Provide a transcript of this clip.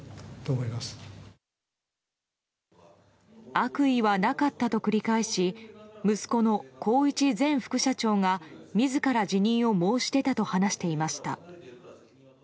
悪意はなかったと繰り返し息子の宏一前副社長が自ら辞任を申し出たと話していました。